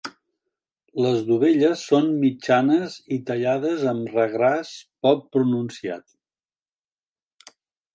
Les dovelles són mitjanes i tallades amb regràs poc pronunciat.